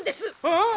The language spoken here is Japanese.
ああ？